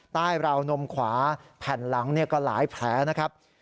ใต้ราวนมขวาแผ่นหลังก็หลายแผลนะครับ